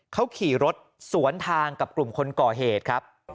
เขาขี่รถสวนทางกับกลุ่มคนก่อเหตุครับ